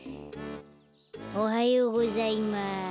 おはようございます。